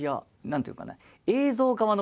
何ていうかね